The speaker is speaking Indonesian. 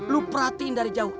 lu perhatiin dari jauh